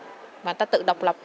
và người lao động người ta tự độc lập